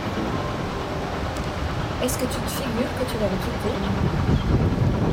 Est-ce que tu te figures que tu vas me quitter ?